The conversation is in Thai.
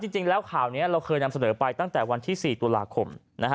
จริงแล้วข่าวนี้เราเคยนำเสนอไปตั้งแต่วันที่๔ตุลาคม